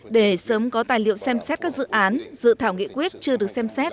để sớm có tài liệu xem xét các dự án dự thảo nghị quyết chưa được xem xét